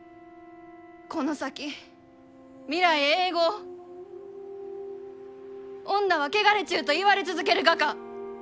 この先未来永劫「女は汚れちゅう」と言われ続けるがか？